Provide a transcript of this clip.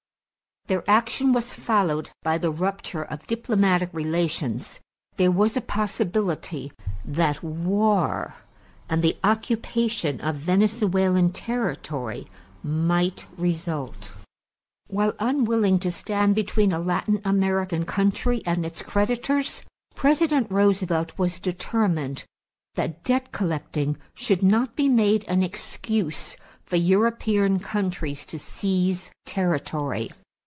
Their action was followed by the rupture of diplomatic relations; there was a possibility that war and the occupation of Venezuelan territory might result. While unwilling to stand between a Latin American country and its creditors, President Roosevelt was determined that debt collecting should not be made an excuse for European countries to seize territory.